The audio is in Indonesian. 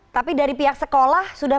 tapi dari pihak sekolah